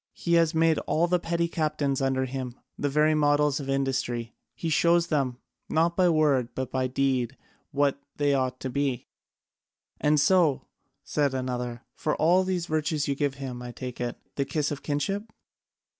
He has made all the petty captains under him the very models of industry; he shows them, not by word but deed, what they ought to be." "And so," said another, "for all these virtues you give him, I take it, the kiss of kinship?"